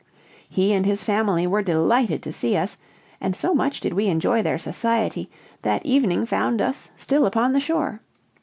He and his family were delighted to see us, and so much did we enjoy their society, that evening found us still upon the shore.